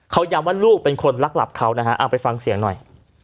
เขาย้ำว่าลูกเป็นคนรักหลับเขานะฮะเอาไปฟังเสียงหน่อย